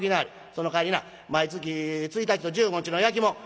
そのかわりな毎月１日と１５日の焼きもん